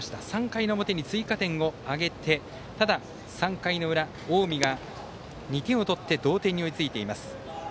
３回の表に追加点を挙げてただ、３回の裏近江が２点を取って同点に追いついています。